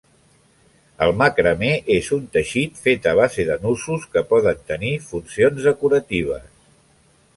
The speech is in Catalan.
El macramé és un teixit fet a base de nusos, que poden tenir funcions decoratives.